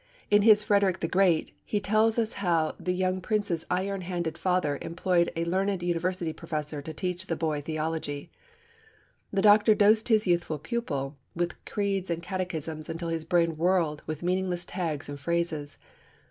In his Frederick the Great, he tells us how the young prince's iron handed father employed a learned university professor to teach the boy theology. The doctor dosed his youthful pupil with creeds and catechisms until his brain whirled with meaningless tags and phrases.